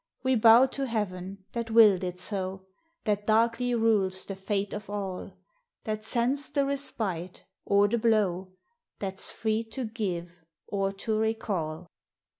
We bow to Heaven that willed it so, That darkly rules the fate of all, That sends the respite or the blow, That 's free to give or to recall.